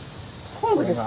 昆布ですか？